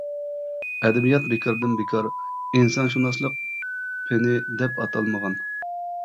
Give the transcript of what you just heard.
ئەدەبىيات بىكاردىن بىكار ئىنسانشۇناسلىق پېنى دەپ ئاتالمىغان.